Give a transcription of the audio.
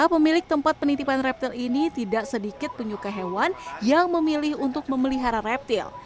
pemilik tempat penitipan reptil ini tidak sedikit penyuka hewan yang memilih untuk memelihara reptil